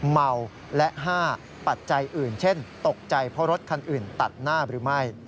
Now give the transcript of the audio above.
เมาและ๕ปัจจัยอื่นเช่นตกใจเพราะรถคันอื่นตัดหน้าหรือไม่